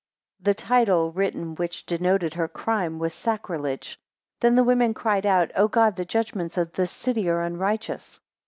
The title written which denoted her crime, was Sacrilege. Then the women cried out, O God, the judgments of this city are unrighteous.